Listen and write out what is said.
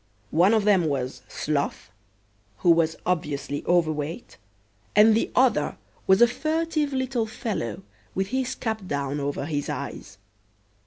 One of them was Sloth, who was obviously overweight, and the other was a furtive little fellow with his cap down over his eyes.